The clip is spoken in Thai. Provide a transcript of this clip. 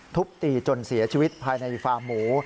ทุบตีจนเสียชีวิตภายในฟาร์มหมู